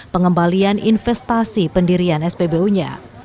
pengembalian investasi pendirian spbu nya